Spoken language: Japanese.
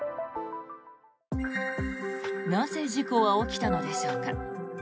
なぜ事故は起きたのでしょうか。